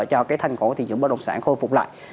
cho thanh khoản của thị trường bất động sản khôi phục lại